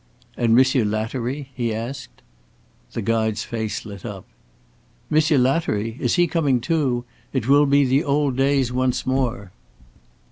"And Monsieur Lattery?" he asked. The guide's face lit up. "Monsieur Lattery? Is he coming too? It will be the old days once more."